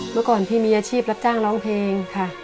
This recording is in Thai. เมื่อก่อนพี่มีอาชีพรับจ้างร้องเพลงค่ะ